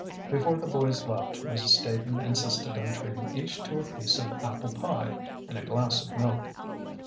Before the boys left Mrs. Staton insisted on treating each to a piece of apple pie and a glass of milk.